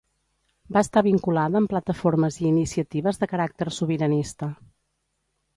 Va estar vinculada amb plataformes i iniciatives de caràcter sobiranista.